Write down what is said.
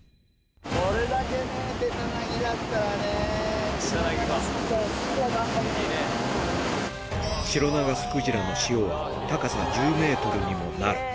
これだけベタなぎだったらね、シロナガスクジラの潮は高さ１０メートルにもなる。